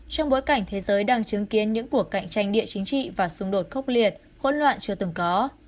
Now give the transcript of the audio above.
trong bối cảnh thế giới đang chứng kiến những cuộc cạnh tranh địa chính trị và xung đột khốc liệt hỗn loạn chưa từng có